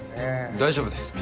大丈夫です。